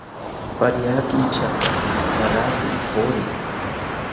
Pariaki inchatoki kagaki ipori